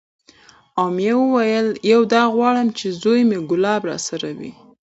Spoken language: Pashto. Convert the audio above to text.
امیه وویل: یو دا غواړم چې زوی مې کلاب راسره وی،